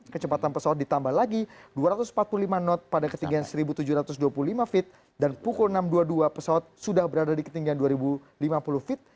kecepatan pesawat ditambah lagi dua ratus empat puluh lima knot pada ketinggian seribu tujuh ratus dua puluh lima feet dan pukul enam dua puluh dua pesawat sudah berada di ketinggian dua ribu lima puluh feet